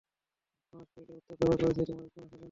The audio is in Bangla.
আমার শরীরের উত্তাপ ব্যবহার করছি তোমায় উষ্ণ রাখার জন্য!